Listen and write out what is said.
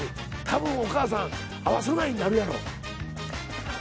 たぶんお母さん会わさないになるやろ。